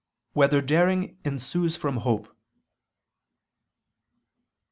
2] Whether Daring Ensues from Hope?